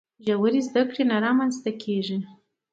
ژورې زده کړې نه رامنځته کیږي.